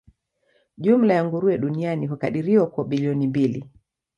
Jumla ya nguruwe duniani hukadiriwa kuwa bilioni mbili.